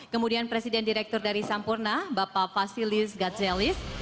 kemudian presiden direktur dari sampurna bapak fasilis gadzalis